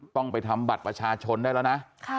ต้องไปทำบัตรประชาชนได้แล้วนะ